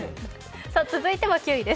続いては９位です。